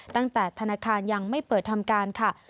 ตั้งแต่ธนาคารยังไม่เปิดทำการค่ะ